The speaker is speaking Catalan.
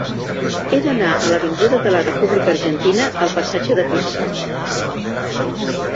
He d'anar de l'avinguda de la República Argentina al passatge de Pearson.